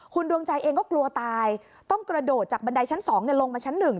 คุณดวงใจเองก็กลัวตายต้องกระโดดจากบันไดชั้น๒ลงมาชั้น๑